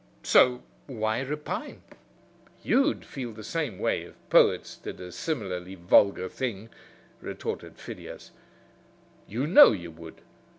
So why repine?" "You'd feel the same way if poets did a similarly vulgar thing," retorted Phidias; "you know you would.